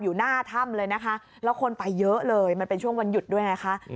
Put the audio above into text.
อยู่หน้าถ้ำเลยนะคะแล้วคนไปเยอะเลยมันเป็นช่วงวันหยุดด้วยไงคะ